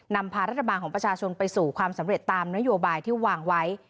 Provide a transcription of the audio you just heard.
นำพารัฐบาลของประชาชนไปสู่ความสำเร็จตามนโยบายที่วางไว้